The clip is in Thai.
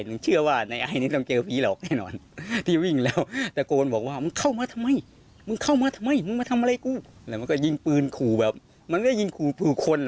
เมื่อคืนวันจันทร์ก็ได้ยินเสียงผู้หญิงสี่คน